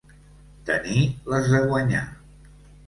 Tenir les de guanyar.